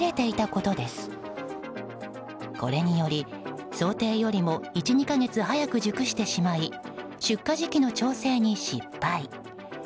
これにより、想定よりも１２か月早く熟してしまい出荷時期の調整に失敗。